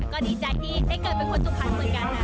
ก็ดีใจที่ได้เกิดเป็นคนสุพรรณเหมือนกันค่ะ